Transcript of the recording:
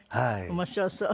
面白そう。